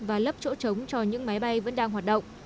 và lấp chỗ trống cho những máy bay vẫn đang hoạt động